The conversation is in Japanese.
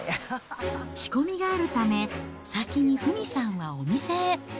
仕込みがあるため、先に富美さんはお店へ。